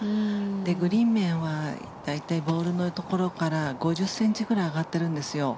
グリーン面は大体、ボールのところから５０ｃｍくらい上がってるんですよ。